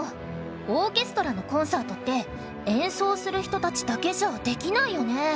オーケストラのコンサートって演奏する人たちだけじゃできないよね？